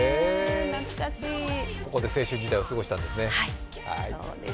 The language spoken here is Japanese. ここで青春時代を過ごしたんですね。